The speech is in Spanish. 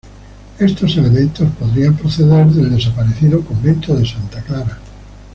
Estos elementos podrían proceder del desaparecido Convento de Santa Clara.